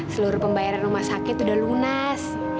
seluruh pembayaran rumah sakit sudah lunas